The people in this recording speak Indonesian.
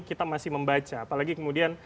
kita masih membaca apalagi kemudian